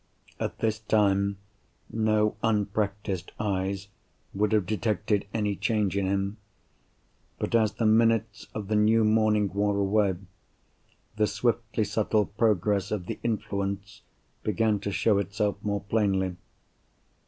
At this time, no unpractised eyes would have detected any change in him. But, as the minutes of the new morning wore away, the swiftly subtle progress of the influence began to show itself more plainly.